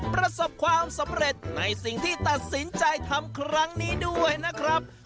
ประสบความสำเร็จในสิ่งที่ตัดสินใจทำครั้งนี้ด้วยนะครับ